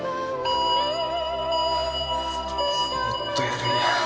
そーっとやるんや